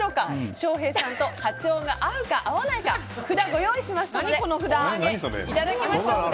翔平さんと波長が合うか合わないか札をご用意しましたのでお上げいただきましょうか。